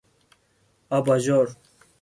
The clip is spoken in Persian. آباژور